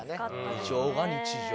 「異常が日常に」。